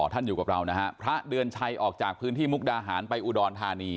ท่านอยู่กับเรานะฮะพระเดือนชัยออกจากพื้นที่มุกดาหารไปอุดรธานี